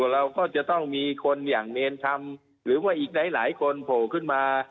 เราก็จะต้องมีคนอย่างเนรธรรมหรือว่าอีกหลายคนโผล่ขึ้นมา